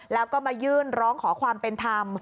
แล้วก็มายื่นร้องขอความเป็นธรรม